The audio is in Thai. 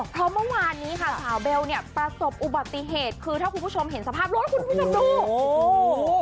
เพราะเมื่อวานนี้ค่ะสาวเบลเนี่ยประสบอุบัติเหตุคือถ้าคุณผู้ชมเห็นสภาพรถคุณผู้ชมดูโอ้โห